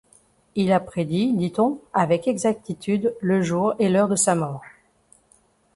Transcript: Il a prédit, dit-on, avec exactitude le jour et l'heure de sa mort.